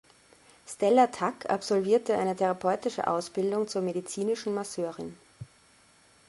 Stella Tack absolvierte eine therapeutische Ausbildung zur Medizinischen Masseurin.